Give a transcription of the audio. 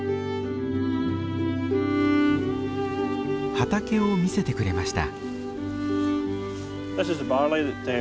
畑を見せてくれました。